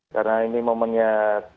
karena ini momennya tepat di dalam